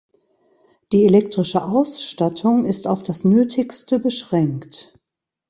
Die elektrische Ausstattung ist auf das Nötigste beschränkt.